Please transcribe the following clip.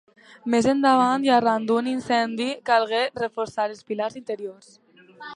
Més endavant i arran d'un incendi calgué reforçar els pilars interiors.